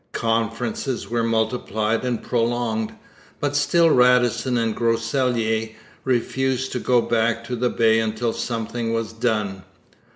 Conferences were multiplied and prolonged; but still Radisson and Groseilliers refused to go back to the Bay until something was done.